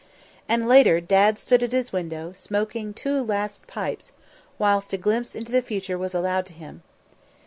And later Dads stood at his window, smoking two last pipes, whilst a glimpse into the future was allowed him.